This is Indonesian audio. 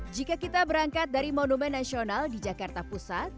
jika kita berangkat dari monumen nasional di jakarta pusat